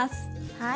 はい。